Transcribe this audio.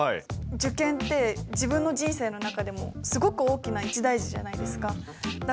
受験って自分の人生の中でもすごく大きな一大事じゃないですか。